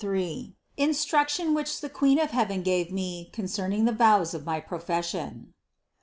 INSTRUCTION WHICH THE QUEEN OF HEAVEN GAVE; ME CONCERNING THE VOWS OF MY PROFESSION.